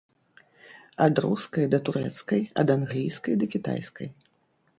Ад рускай да турэцкай, ад англійскай да кітайскай.